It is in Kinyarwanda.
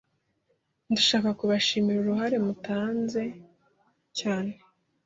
Ndashaka kubashimira uruhare mutanze cyane.